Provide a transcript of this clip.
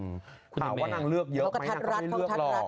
ถ้าว่านางเลือกเยอะไหมนางก็ไม่เลือกหรอก